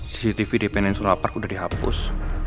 cctv dependent solar park udah dihapus